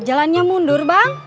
eh susah pengennya mundur bang